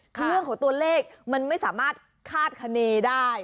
เรื่องของตัวเลขมันไม่สามารถคาดคณีได้